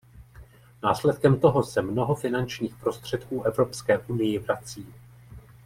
Následkem toho se mnoho finančních prostředků Evropské unii vrací.